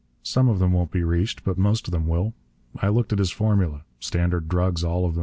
Some of them won't be reached, but most of them will. I looked at his formula. Standard drugs, all of them.